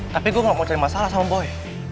tapi gue gak mau cari masalah sama boy